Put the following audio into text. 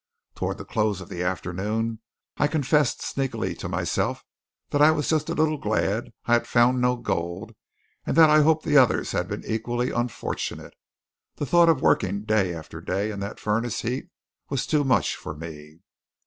Toward the close of the afternoon I confessed sneakingly to myself that I was just a little glad I had found no gold and that I hoped the others had been equally unfortunate. The thought of working day after day in that furnace heat was too much for me.